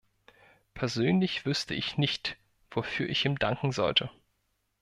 Persönlich wüßte ich nicht, wofür ich ihm danken sollte.